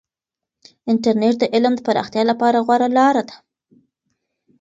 انټرنیټ د علم د پراختیا لپاره غوره لاره ده.